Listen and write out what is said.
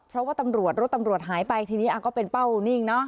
เพราะว่าตำรวจรถตำรวจหายไปทีนี้ก็เป็นเป้านิ่งเนอะ